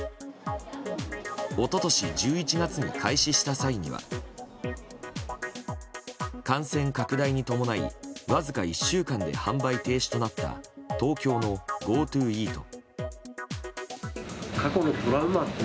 一昨年１１月に開始した際には感染拡大に伴いわずか１週間で販売停止になった東京のＧｏＴｏイート。